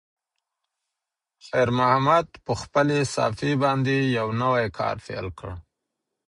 خیر محمد په خپلې صافې باندې یو نوی کار پیل کړ.